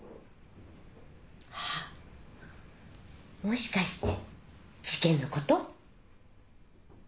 あもしかして事件のこと？